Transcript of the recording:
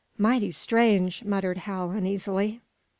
"Mighty strange!" muttered Hal, uneasily.